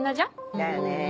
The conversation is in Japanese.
だよね。